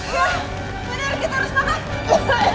bener kita harus makan